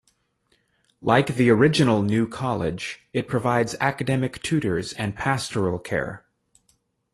Like the original New College, it provides academic tutors and pastoral care.